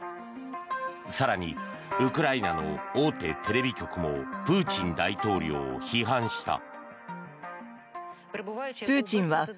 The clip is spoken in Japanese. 更に、ウクライナの大手テレビ局もプーチン大統領を批判した。